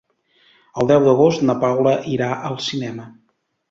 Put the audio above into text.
El deu d'agost na Paula irà al cinema.